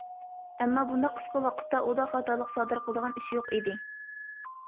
ئەمما بۇنداق قىسقا ۋاقىتتا ئۇدا خاتالىق سادىر قىلىدىغان ئىش يوق ئىدى.